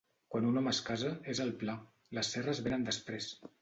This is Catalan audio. Quan un home es casa, és el pla; les serres vénen després.